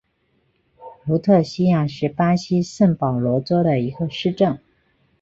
卢特西亚是巴西圣保罗州的一个市镇。